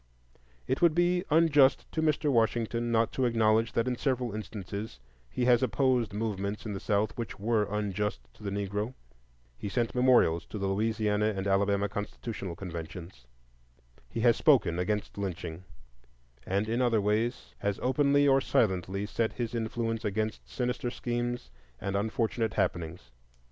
It would be unjust to Mr. Washington not to acknowledge that in several instances he has opposed movements in the South which were unjust to the Negro; he sent memorials to the Louisiana and Alabama constitutional conventions, he has spoken against lynching, and in other ways has openly or silently set his influence against sinister schemes and unfortunate happenings.